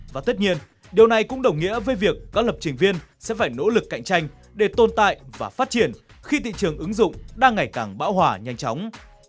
và tất nhiên điều này cũng đồng nghĩa với việc các lập trình viên sẽ phải nỗ lực cạnh tranh để tồn tại và phát triển khi thị trường ứng dụng đang ngày càng bão hòa nhanh chóng